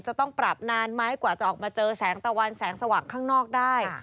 จะต้องปรับนานไหมกว่าจะออกมาเจอแสงตะวันแสงสว่างข้างนอกได้